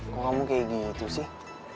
kok kamu kayak gitu sih